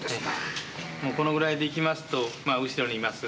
もうこのぐらいでいきますとまあ後ろにいます